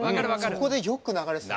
そこでよく流れてた。